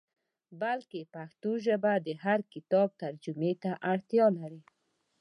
بلکې پښتو ژبه د هر کتاب ترجمې ته اړتیا لري.